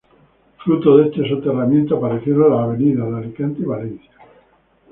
Fruto de este soterramiento aparecieron las avenidas de Alicante y Valencia.